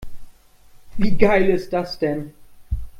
Wie geil ist das denn?